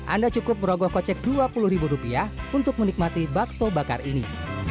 anda cukup merogoh kocek rp dua puluh untuk menikmati bakso bakar ini